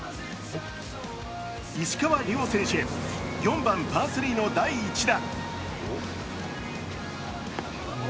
石川遼選手、４番パー３の第１打。